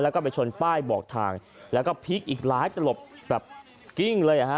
แล้วก็ไปชนป้ายบอกทางแล้วก็พลิกอีกหลายตลบแบบกิ้งเลยอ่ะฮะ